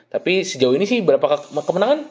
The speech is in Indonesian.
tapi sejauh ini sih berapa kemenangan